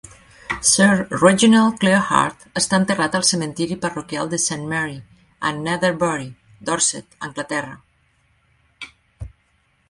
Sir Reginald Clare Hart està enterrat al cementiri parroquial de Saint Mary, a Netherbury, Dorset, Anglaterra.